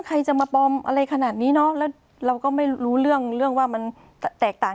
ใครจะมาปลอมอะไรขนาดนี้เนอะแล้วเราก็ไม่รู้เรื่องเรื่องว่ามันแตกต่าง